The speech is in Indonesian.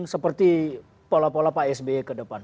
seperti pola pola pak sby ke depan